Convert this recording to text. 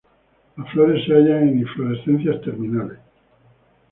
Las flores se hallan en inflorescencias terminales.